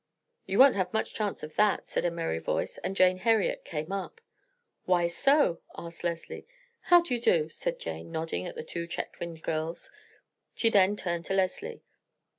"You won't have much chance of that," said a merry voice, and Jane Heriot came up. "Why so?" asked Leslie. "How do you do?" said Jane, nodding to the two Chetwynd girls. She then turned to Leslie.